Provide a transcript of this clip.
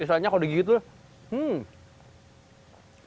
misalnya kalau digigit tuh hmm